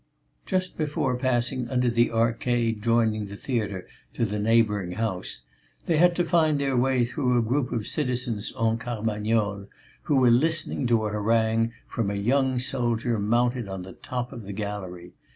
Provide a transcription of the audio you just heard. Just before passing under the arcade, joining the theatre to the neighbouring house, they had to find their way through a group of citizens en carmagnole who were listening to a harangue from a young soldier mounted on the top of the gallery.